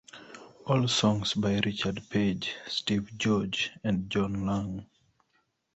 All songs by Richard Page, Steve George and John Lang.